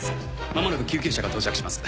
間もなく救急車が到着します。